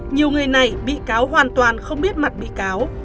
nhiều người này bị cáo hoàn toàn không biết mặt bị cáo